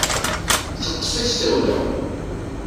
Teṭṭefi-t tawla.